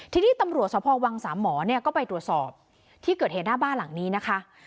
ทีนี้ตำรวจสภวังสามหมอเนี่ยก็ไปตรวจสอบที่เกิดเหตุหน้าบ้านหลังนี้นะคะ